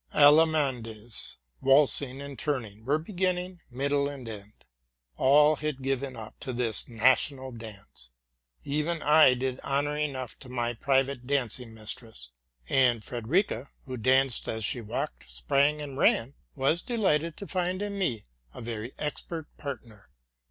Allemandes, waltzing and turning, were beginning, middle and end. All had given up to this national dance, en I did honor enough to my private dancing mistress ; and Frederica, who danced as she walked, sprang, and ran, was delighted to find in me a very expert partner.